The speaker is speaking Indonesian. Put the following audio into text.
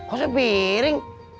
oh satu piring